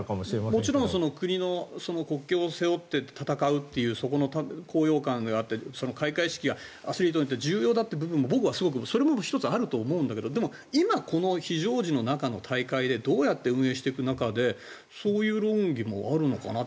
もちろん国の国旗を背負って戦うというそこの高揚感があって開会式がアスリートにとって重要だというのも僕はすごくそれも１つあると思うんだけどだけど、今この非常時の中の大会でどうやって運営していく中でそういう論議もあるのかなって。